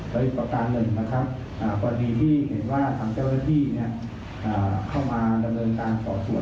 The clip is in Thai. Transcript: และอีกประการหนึ่งนะครับพอดีที่เห็นว่าทางเจ้าหน้าที่เข้ามาดำเนินการสอดสวดในสวดตรงนี้อย่างสิ่งจำ